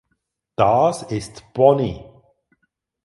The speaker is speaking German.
Das ist Pony!